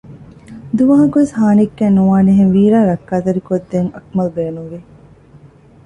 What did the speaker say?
ދުވަހަކުވެސް ހާނީއްކައެއް ނުވާނެހެން ވީރާ ރައްކާތެރިކޮށްދޭން އަކުމަލް ބޭނުންވި